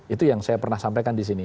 itu yang saya pernah sampaikan di sini